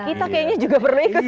kita kayaknya juga perlu ikut ya